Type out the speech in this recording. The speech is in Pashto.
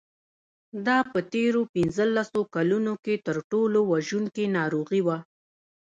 دا په تېرو پنځلسو کلونو کې تر ټولو وژونکې ناروغي وه.